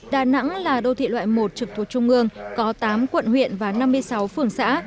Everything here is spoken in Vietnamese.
đà nẵng là đô thị loại một trực thuộc trung ương có tám quận huyện và năm mươi sáu phường xã